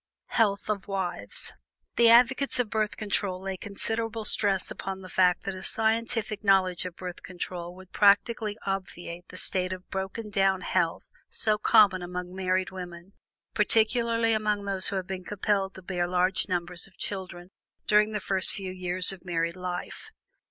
HEALTH OF WIVES. The advocates of Birth Control lay considerable stress upon the fact that a scientific knowledge of Birth Control would practically obviate the state of broken down health so common among married women, particularly among those who have been compelled to bear large numbers of children during the first few years of married life.